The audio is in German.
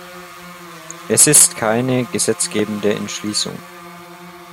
Es ist keine gesetzgebende Entschließung.